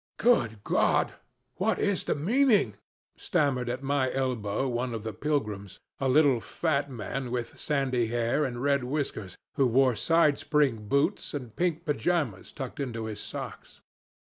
'Good God! What is the meaning ?' stammered at my elbow one of the pilgrims, a little fat man, with sandy hair and red whiskers, who wore side spring boots, and pink pyjamas tucked into his socks.